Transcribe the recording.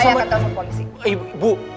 saya akan tawarkan polisi